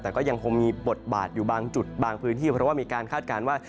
แต่ก็ยังคงมีบทบาทอยู่บางจุดบางพื้นที่เพราะว่ามีการคาดการณ์ว่า